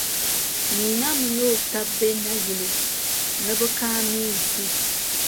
Neena mini o taba be Naayili ni bɛ kaai meensi.